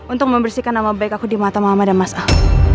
untuk membersihkan nama baik aku di mata mama dan mas ah